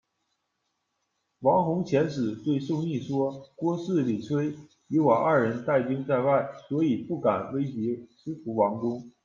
王宏遣使对宋翼说：“郭汜、李傕以我二人带兵在外，所以不敢危及司徒王公。